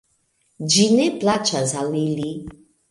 Ĝi ne plaĉas al ili.